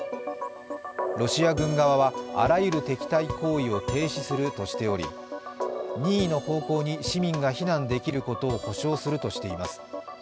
ロシア軍側はあらゆる敵対行為を停止するとしており任意の方向に市民が避難できることを保証するとしています。